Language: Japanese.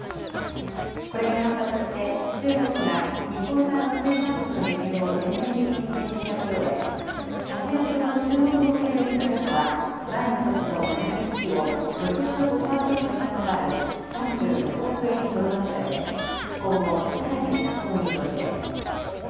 これに反発して、中国が日本産の水産物の輸入を全面的に停止したことで、８月の中国向けの輸出額は、前の年の同じ月を６５％下回る３６億円にとどまったうえ、今後、さらに落ち込む見通しです。